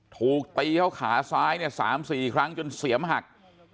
ถูกตีเข้าขาซ้าย๓๔ครั้งจนเสียมหัก